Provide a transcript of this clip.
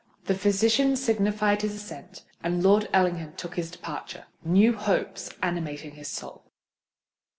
The physician signified his assent; and Lord Ellingham took his departure, new hopes animating his soul.